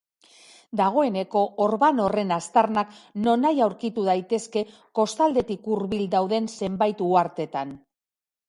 Dagoeneko orban horren aztarnak nonahi aurkitu daitezke kostaldetik hurbil dauden zenbait uhartetan.